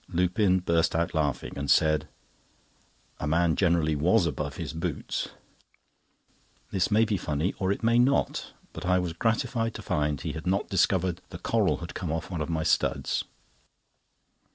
Lupin burst out laughing, and said: "A man generally was above his boots." This may be funny, or it may not; but I was gratified to find he had not discovered the coral had come off one of my studs.